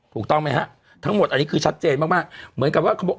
ถูกต้องไหมฮะทั้งหมดอันนี้คือชัดเจนมากมากเหมือนกับว่าเขาบอก